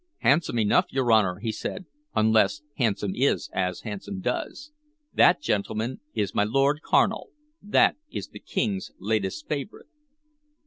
"Handsome enough, your Honor," he said, "unless handsome is as handsome does. That, gentlemen, is my Lord Carnal, that is the King's latest favorite."